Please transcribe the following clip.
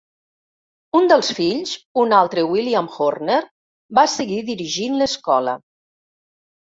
Un dels fills, un altre William Horner, va seguir dirigint l'escola.